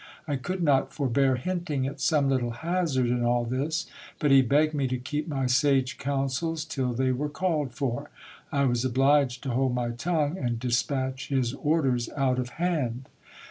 I could not forbear hinting at some little hazard in all this, but he begged me to keep my sage counsels till they were called for. I was obliged to hold my tongue, and dispatch his orders out of hand.